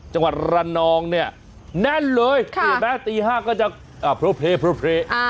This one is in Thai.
จังหวัดรันนองเนี่ยแน่นเลยแต่แม้ตี๕ก็จะโพรเภโพรเภ